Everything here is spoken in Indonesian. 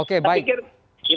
oke baik pak ade